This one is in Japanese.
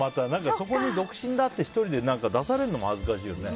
そこに独身だって１人で出されるのも恥ずかしいよね。